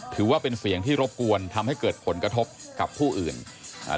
ถือว่าเป็นเสียงที่รบกวนทำให้เกิดผลกระทบกับผู้อื่นอ่า